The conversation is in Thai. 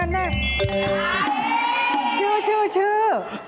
อันนั้นชื่อ